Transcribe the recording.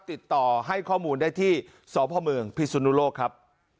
ติดต่อให้ข้อมูลได้ที่สพเมืองพิสุนุโลกครับ